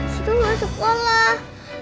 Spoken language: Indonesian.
siva gak usah sekolah